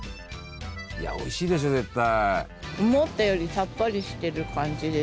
いやおいしいでしょ絶対。